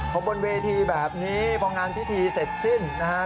พอบนเวทีแบบนี้พองานพิธีเสร็จสิ้นนะฮะ